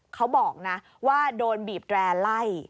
เขาบอกนะว่าโดนบีบแร่ไล่